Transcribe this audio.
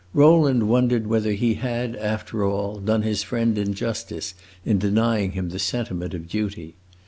Rowland wondered whether he had, after all, done his friend injustice in denying him the sentiment of duty.